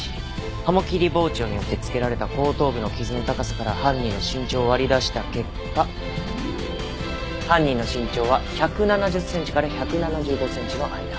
鱧切り包丁によってつけられた後頭部の傷の高さから犯人の身長を割り出した結果犯人の身長は１７０センチから１７５センチの間。